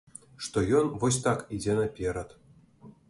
Што ён вось так ідзе наперад.